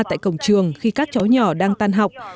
tại cổng trường khi các cháu nhỏ đang tan học